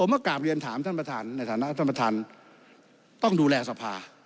ผมก็กลับเรียนถามท่านประธานในฐานะองค์ต้องดูแลสภา